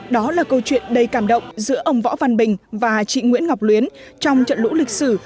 đó là câu chuyện đầy cảm động giữa ông võ văn bình và chị nguyễn ngọc luyến trong trận lũ lịch sử